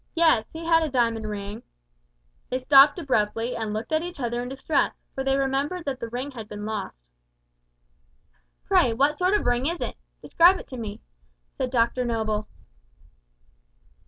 "Yes, he had a diamond ring " They stopped abruptly, and looked at each other in distress, for they remembered that the ring had been lost. "Pray, what sort of ring is it? Describe it to me," said Dr Noble.